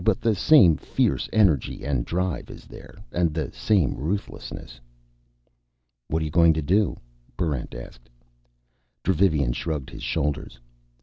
But the same fierce energy and drive is there, and the same ruthlessness." "What are you going to do?" Barrent asked. Dravivian shrugged his shoulders.